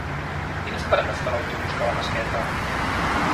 Quines parades fa l'autobús que va a Masquefa?